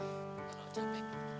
gak mau capek